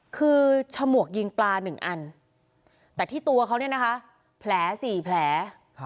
คือฉมวกยิงปลา๑อันแต่ที่ตัวเขาเนี่ยนะคะแผล๔แผล